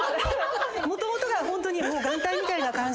もともとがホントに眼帯みたいな感じなので。